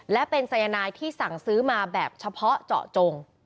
และเป็นสายนายที่สั่งซื้อมาแบบเฉพาะเจาะจง